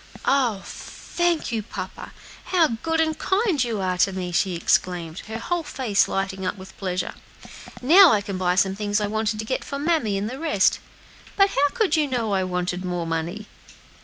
"Oh, thank you, papa! how good and kind you are to me!" she exclaimed, her whole face lighting up with pleasure; "now I can buy some things I wanted to get for mammy and the rest. But how could you know I wanted more money?"